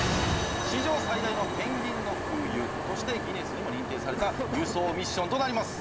史上最大のペンギンの空輸としてギネスにも認定された輸送ミッションとなります。